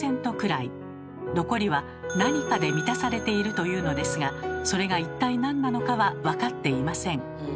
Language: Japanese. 残りは何かで満たされているというのですがそれが一体なんなのかは分かっていません。